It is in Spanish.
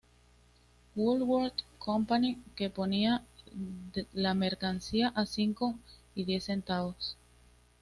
Woolworth Company que ponía la mercancía a cinco y diez centavos.